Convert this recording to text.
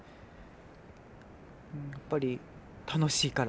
やっぱり楽しいから。